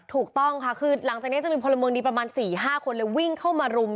ถูกต้องค่ะคือหลังจากนี้จะมีพลเมืองดีประมาณ๔๕คนเลยวิ่งเข้ามารุม